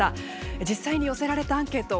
実際に寄せられたアンケート